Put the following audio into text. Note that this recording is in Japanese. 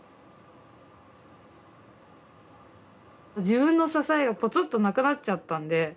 自分の支えがぽつっとなくなっちゃったんで。